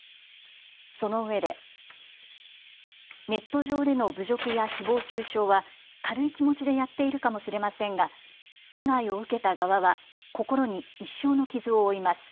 そのうえでネット上での侮辱やひぼう中傷は軽い気持ちでやっているかもしれませんが被害を受けた側は心に一生の傷を負います。